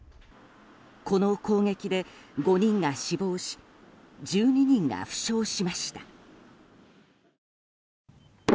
この攻撃で５人が死亡し１２人が負傷しました。